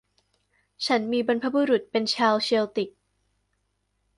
ฉันมีบรรพบุรุษเป็นชาวเชลติก